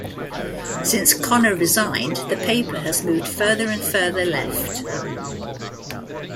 Since Connor resigned the paper has moved further and further left.